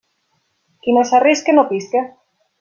Qui no s'arrisca, no pisca.